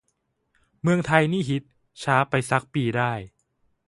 เมืองไทยนี่ฮิต ช้าไปซัก ปีได้